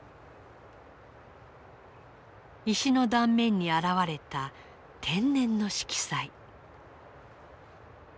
石の断面に現れた天然の色彩。